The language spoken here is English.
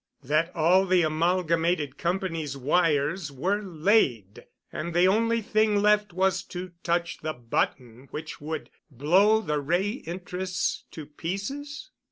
That all the Amalgamated Company's wires were laid, and the only thing left was to touch the button which would blow the Wray interests to pieces?